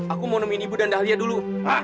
aku mau nemuin ibu dan dahlia dulu